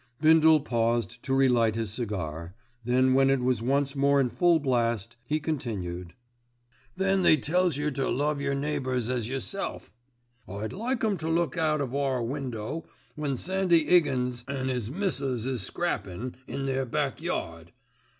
Bindle paused to relight his cigar, then when it was once more in full blast he continued: "Then they tells yer to love yer neighbours as yourself. I'd like 'em to look out of our window when Sandy 'Iggins an' 'is missus is scrappin' in their back yard.